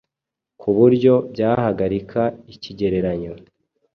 kuburyo byahagarika ikigereranyo